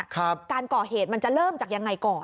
การก่อเหตุมันจะเริ่มจากยังไงก่อน